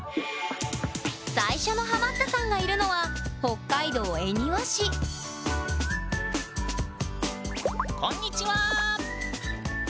最初のハマったさんがいるのはこんにちは！